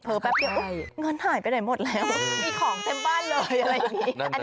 แป๊บเดียวเงินหายไปไหนหมดแล้วมีของเต็มบ้านเลยอะไรอย่างนี้